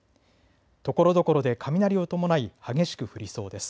ところどころで雷を伴い激しく降りそうです。